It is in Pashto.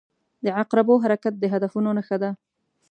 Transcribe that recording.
• د عقربو حرکت د هدفونو نښه ده.